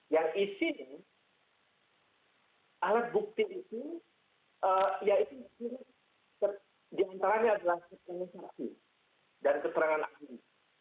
yang isinya alat bukti itu yaitu diantaranya adalah sertengisasi dan keterangan akhiri